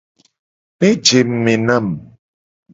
Ne je ngku me nam.